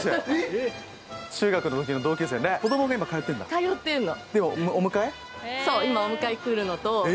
［実は］通ってるの。